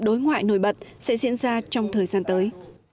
đối ngoại nổi bật sẽ diễn ra trong thời gian tới